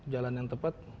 jalan yang tepat